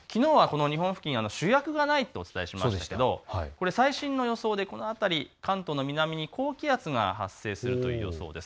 日本付近、主役がないとお伝えしましたけれども最新の予想でこの辺り、関東の南に高気圧が発生するという予想です。